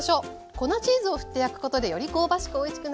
粉チーズを振って焼くことでより香ばしくおいしくなります。